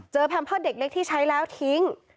แพมเพิร์ตเด็กเล็กที่ใช้แล้วทิ้ง